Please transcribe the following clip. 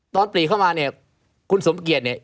ปรีเข้ามาเนี่ยคุณสมเกียจเนี่ย